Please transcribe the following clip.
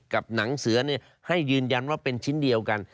กับหนังเสือให้ยืนยันว่าเป็นชิ้นเดียวกัน